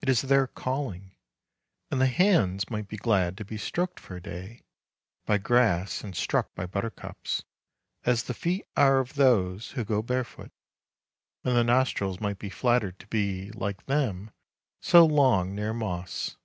It is their calling; and the hands might be glad to be stroked for a day by grass and struck by buttercups, as the feet are of those who go barefoot; and the nostrils might be flattered to be, like them, so long near moss.